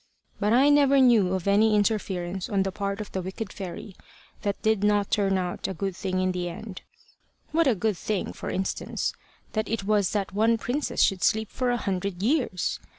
But I never knew of any interference on the part of the wicked fairy that did not turn out a good thing in the end. What a good thing, for instance, it was that one princess should sleep for a hundred years!